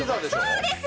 そうです！